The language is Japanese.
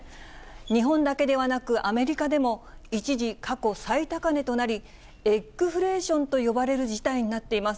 日本だけではなく、アメリカでも一時、過去最高値となり、エッグフレーションと呼ばれる事態になっています。